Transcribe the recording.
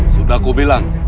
sudah aku bilang